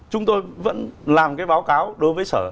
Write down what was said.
chúng tôi vẫn làm cái báo cáo đối với sở